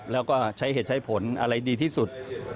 แล้วก็ใช้เหตุใช้ผลอะไรดีที่สุด